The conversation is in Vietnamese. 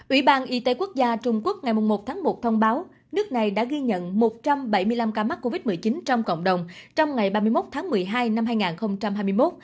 ủy ban y tế quốc gia trung quốc ngày một tháng một thông báo nước này đã ghi nhận một trăm bảy mươi năm ca mắc covid một mươi chín trong cộng đồng trong ngày ba mươi một tháng một mươi hai năm hai nghìn hai mươi một